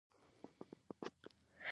اورېدل د روزنې برخه ده.